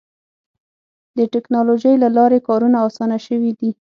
د ټکنالوجۍ له لارې کارونه اسانه شوي دي.